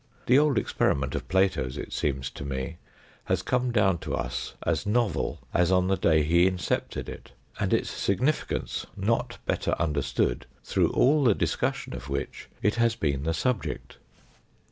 The old experiment of Plato's, it seems to me, has come down to us as novel as on the day he incepted it, and its significance not better understood through all the dis cussion of which it has been the subject.